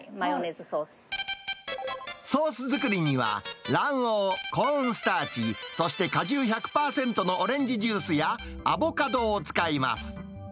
ソース作りには、卵黄、コーンスターチ、そして果汁１００％のオレンジジュースやアボカドを使います。